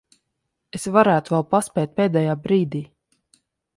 Es varētu vēl paspēt pēdējā brīdī.